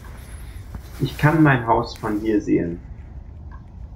Ich kann mein Haus von hier sehen!